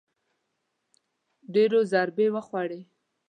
ډېرو ضربې وخوړې